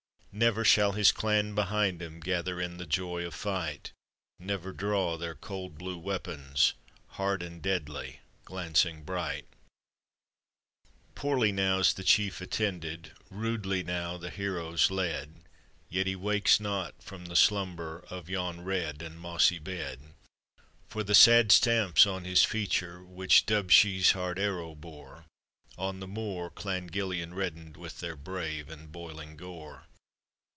Never shall his clan behind him Gather in the joy of fight; Never draw their cold blue weapons Hard and deadly— glancing bright. Poorly MOW'S the chief atteMded. Rudely now the hern's led ; Yet ho wakes not from the slumU r Of yon red and mossy bed. APPENDIX. For the sad stamp's on his features "Which Dubh Shoe's hard arrow bore ; On the moor Clan Gillian reddened With their brave and boiling gore.